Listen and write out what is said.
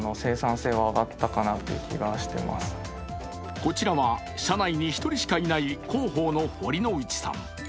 こちらは社内に１人しかいない広報の堀之内さん。